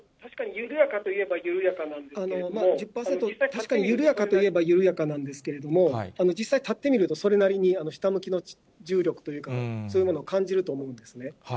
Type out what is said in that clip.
１０％、確かに緩やかといえば緩やかなんですけれども、実際、立ってみると、それなりに下向きの重力というか、そういうものを感じると思うんですね。